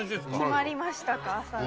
決まりましたか朝が。